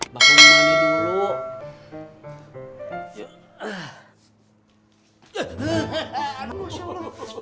bakul manis dulu